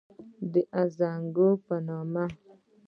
د زانګو پۀ نوم